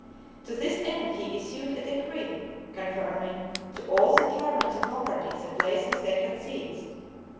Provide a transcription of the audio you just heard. To this end he issued a decree, confirming to all the tyrants of Lombardy the places they had seized.